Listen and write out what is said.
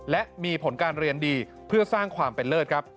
และมีผลการเรียนดีเพื่อสร้างความเป็นเลิศครับ